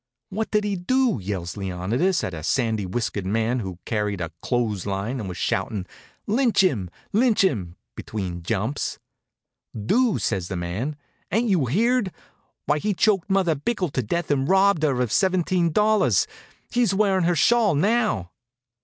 "What did he do?" yells Leonidas at a sandy whiskered man who carried a clothes line and was shoutin', "Lynch him! Lynch him!" between jumps. "Do!" says the man. "Ain't you heard? Why, he choked Mother Bickell to death and robbed her of seventeen dollars. He's wearin' her shawl now."